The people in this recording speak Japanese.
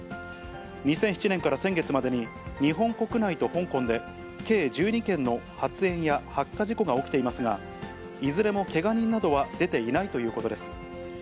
２００７年から先月までに、日本国内と香港で計１２件の発煙や発火事故が起きていますが、いずれもけが人などは出ていないということです。